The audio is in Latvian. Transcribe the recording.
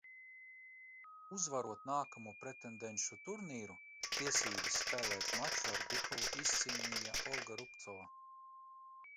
Uzvarot nākamo pretendenšu turnīru, tiesības spēlēt maču ar Bikovu izcīnīja Olga Rubcova.